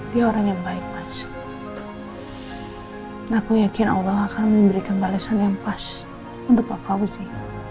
dia orang yang baik mas aku yakin allah akan memberikan balasan yang pas untuk pak fauzi